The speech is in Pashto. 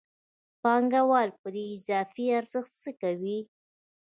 پانګوال په دې اضافي ارزښت څه کوي